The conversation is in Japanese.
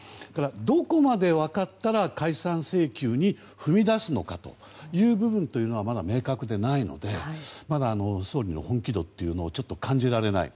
どこまで分かったら解散請求に踏み出すのかはまだ明確でないので総理の本気度というのをちょっと感じられない。